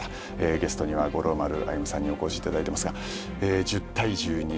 ゲストには五郎丸歩さんにお越しいただいてますが１０対１２。